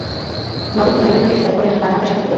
মাদক বিভাগের একজন পুলিশ ফ্যালকোনের ডান হাতের সাথে কী করে?